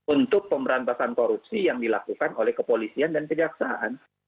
untuk pemberantasan korupsi yang dilakukan oleh kepolisian dan kejaksaan